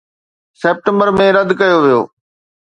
September ۾ رد ڪيو ويو